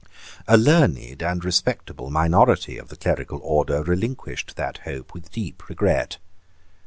A learned and respectable minority of the clerical order relinquished that hope with deep regret.